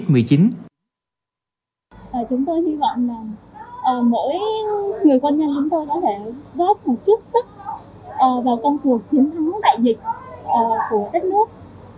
chúng tôi hy vọng là mỗi người quân nhân chúng tôi có thể góp một chút sức vào công cuộc chiến thắng đại dịch của đất nước